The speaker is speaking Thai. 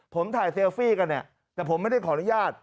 ผมถ่ายเซลฟี่กันเนี่ยแต่ผมไม่ได้ขออนุญาต